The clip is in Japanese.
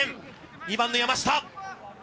２番の山下。